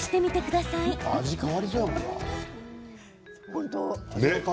本当。